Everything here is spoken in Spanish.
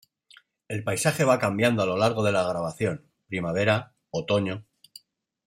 El paisaje va cambiando a lo largo de la grabación, primavera, otoño...